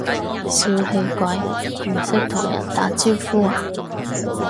小氣鬼，唔識同人打招呼呀？